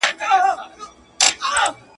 زولانه د خپل ازل یمه معذور یم.